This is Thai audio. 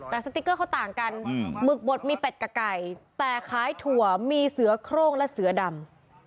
แต่สติ๊กเกอร์เขาต่างกันหมึกบดมีเป็ดกับไก่แต่ขายถั่วมีเสือโครงและเสือดำ